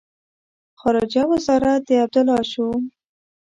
خارجه وزارت د عبدالله شو.